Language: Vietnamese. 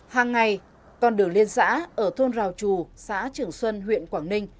hàng ngày con đường liên xã ở thôn rào trù xã trường xuân huyện quảng ninh